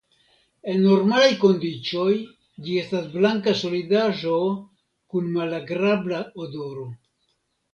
En normalaj kondiĉoj ĝi estas blanka solidaĵo kun malagrabla odoro.